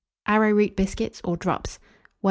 ARROWROOT BISCUITS OR DROPS. 1738.